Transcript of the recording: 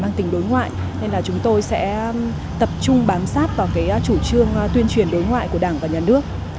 mang tình đối ngoại nên là chúng tôi sẽ tập trung bám sát vào cái chủ trương tuyên truyền đối ngoại của đảng và nhà nước